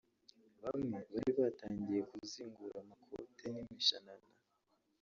bamwe bari batangiye kuzingura amakote n’imishanana